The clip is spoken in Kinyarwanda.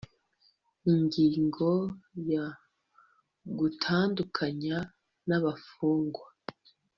Ingingo ya Gutandukanya abafungwa